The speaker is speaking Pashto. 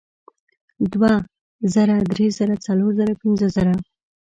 دوه زره درې زره څلور زره پینځه زره